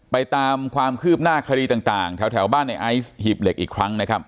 ตามความคืบหน้าคดีต่างแถวบ้านในไอซ์หีบเหล็กอีกครั้งนะครับ